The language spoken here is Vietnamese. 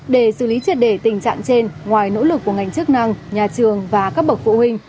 để xử lý triệt đề tình trạng trên ngoài nỗ lực của ngành chức năng nhà trường và các bậc phụ huynh